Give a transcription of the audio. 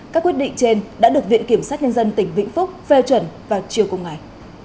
các quyết định trên đã được viện kiểm sát nhân dân tỉnh vĩnh phúc phê chuẩn và triều công ngài